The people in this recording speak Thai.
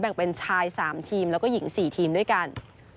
เป็นชาย๓ทีมแล้วก็หญิง๔ทีมด้วยกัน